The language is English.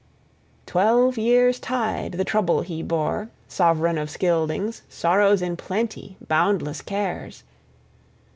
Twelve years' tide the trouble he bore, sovran of Scyldings, sorrows in plenty, boundless cares.